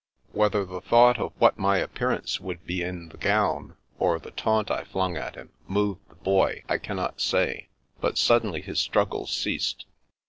Whether the thought of what my appearance would be in the gown, or the taunt I flung at him, moved the Boy, I cannot say, but suddenly his struggles ceased.